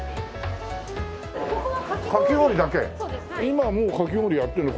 今もうかき氷やってるの？